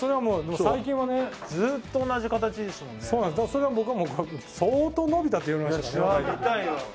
それは僕も相当のび太って言われましたから。